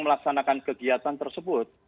melaksanakan kegiatan tersebut